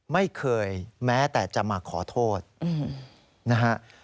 ไม่เคยแม้แต่จะมาขอโทษนะฮะ